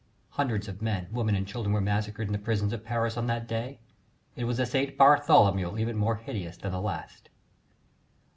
Hundreds of men, women, and children were massacred in the prisons of Paris on that day it was a St. Bartholomew even more hideous than the last.